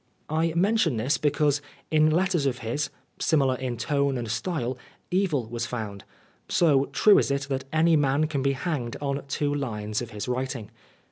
I mention this because, in letters of his, similar in tone and style, evil was found, so true is it that any man can be hanged on two lines of his writing.